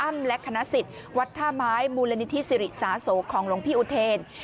และคณะสิทธิ์วัดท่าไม้มูลนิธิสิริสาโสของหลวงพี่อุเทน